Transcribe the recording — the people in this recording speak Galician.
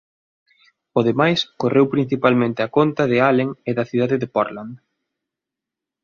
O demais correu principalmente a conta de Allen e da cidade de Portland.